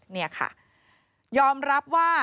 นี่ค่ะยอมรับว่า